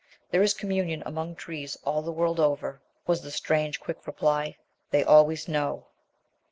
"There is communion among trees all the world over," was the strange quick reply. "They always know."